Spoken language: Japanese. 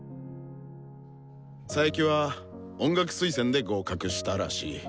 佐伯は音楽推薦で合格したらしい。